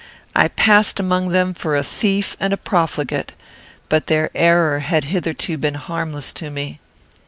I passed among them for a thief and a profligate, but their error had hitherto been harmless to me.